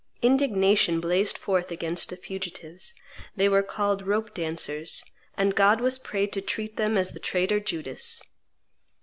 Indignation blazed forth against the fugitives; they were called rope dancers; and God was prayed to treat them as the traitor Judas.